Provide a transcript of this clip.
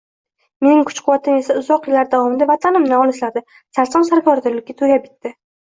Mening kuch-quvvatim esa uzoq yillar davomida vatanimdan olislarda, sarson-sargardonlikda tugab bitdi